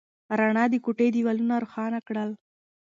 رڼا د کوټې دیوالونه روښانه کړل.